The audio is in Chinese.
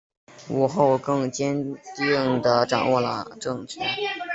武后更坚定地掌握了政权。